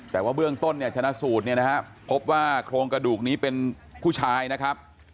แต่ว่าเบื้องต้นเนี่ยชนะสูตรเนี่ยนะฮะพบว่าโครงกระดูกนี้เป็นผู้ชายนะครับ